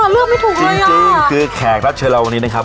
เลือกไม่ถูกจริงคือแขกรับเชิญเราวันนี้นะครับ